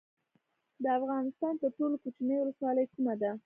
د افغانستان تر ټولو کوچنۍ ولسوالۍ کومه ده؟